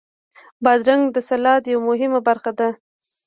بادرنګ د سلاد یوه مهمه برخه ده.